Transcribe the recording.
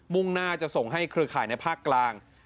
่งหน้าจะส่งให้เครือข่ายในภาคกลาง